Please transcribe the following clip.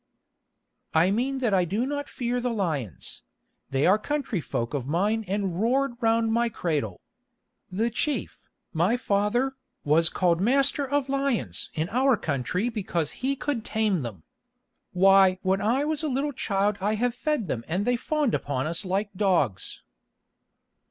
"I mean that I do not fear the lions; they are country folk of mine and roared round my cradle. The chief, my father, was called Master of Lions in our country because he could tame them. Why, when I was a little child I have fed them and they fawned upon us like dogs."